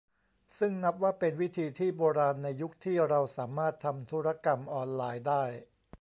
ซึ่งนับว่าเป็นวิธีที่โบราณในยุคที่เราสามารถทำธุรกรรมออนไลน์ได้